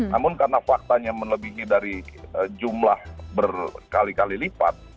namun karena faktanya melebihi dari jumlah berkali kali lipat